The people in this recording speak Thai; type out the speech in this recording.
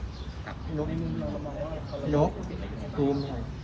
ยกกรุม